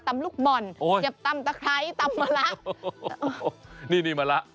ลูกบ่อนโอ้เย็บตำตะไคร้ตำมะละโอ้โหนี่นี่มะละ